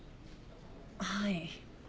はい。